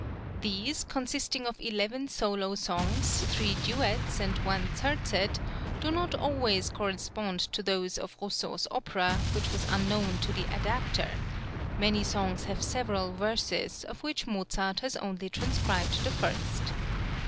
These, consisting of eleven solo songs, three duets, and one terzet do not always correspond to those of Rousseau's opera, which was unknown to the adapter; many songs have several verses, of which Mozart has only transcribed the first.